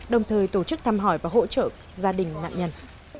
đồng thời tổ chức thăm hỏi và hỗ trợ gia đình nạn nhân